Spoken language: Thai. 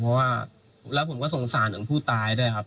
เพราะว่าแล้วผมก็สงสารถึงผู้ตายด้วยครับ